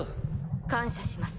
感謝します